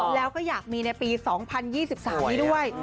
แล้วก็อยากมีในปี๒๐๒๓นี้ด้วย